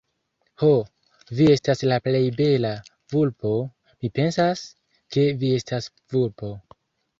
Ho, vi estas la plej bela... vulpo, mi pensas, ke vi estas vulpo.